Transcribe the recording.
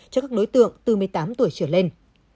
cho các đối tượng từ một mươi tám tuổi trở lên